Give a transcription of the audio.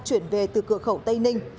chuyển về từ cửa khẩu tây ninh